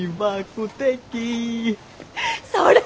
それ！